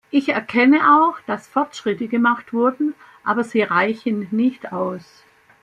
Ich erkenne auch, dass Fortschritte gemacht wurden, aber sie reichen nicht aus.